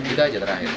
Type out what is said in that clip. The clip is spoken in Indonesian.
itu aja terakhir